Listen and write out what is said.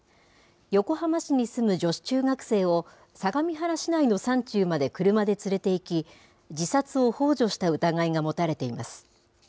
横浜市に住む女子中学生を相模原市内の山中まで車で連れていき、自殺をほう助した疑いが持たれています。